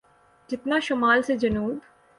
جتنا شمال سے جنوب۔